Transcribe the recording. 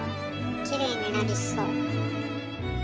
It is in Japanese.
きれいになりそう。